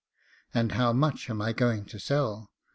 'And how much am I going to sell!